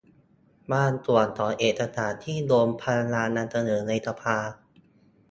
บางส่วนของเอกสารที่โรมพยายามนำเสนอในสภา